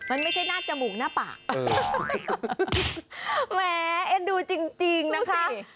มันไม่ใช่หน้าจมูกหน้าปากแหมเอ็นดูจริงนะคะ